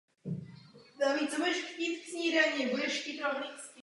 V České republice se žádný zástupce nevyskytuje.